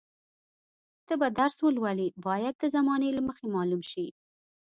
ته به درس ولولې باید د زمانې له مخې معلوم شي.